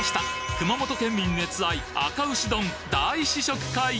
熊本県民熱愛あか牛丼大試食会！